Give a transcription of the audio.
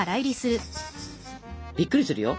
びっくりするよ。